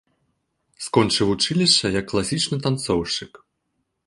Скончыў вучылішча як класічны танцоўшчык.